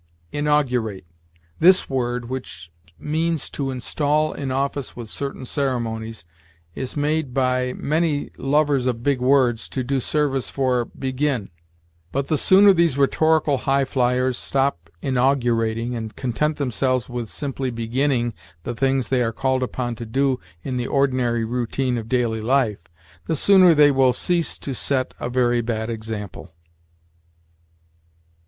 INAUGURATE. This word, which means to install in office with certain ceremonies, is made, by many lovers of big words, to do service for begin; but the sooner these rhetorical high fliers stop inaugurating and content themselves with simply beginning the things they are called upon to do in the ordinary routine of daily life, the sooner they will cease to set a very bad example.